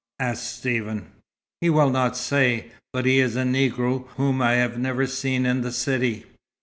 asked Stephen. "He will not say. But he is a Negro whom I have never seen in the city."